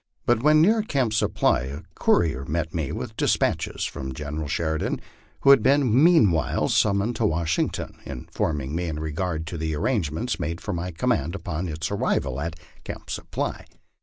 But when near Camp Supply a courier met me with despatches from General Sheridan who had been meanwhile summoned to Washington informing me in regard to the arrangements made for my command upon its arrival at Camp Supply.